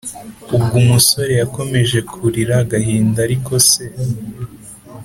ubwo umusore yakomeje kurira agahinda arikose,